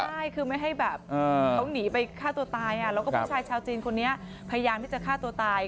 ใช่คือไม่ให้แบบเขาหนีไปฆ่าตัวตายแล้วก็ผู้ชายชาวจีนคนนี้พยายามที่จะฆ่าตัวตาย